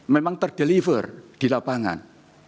memang ter deliver di lapangan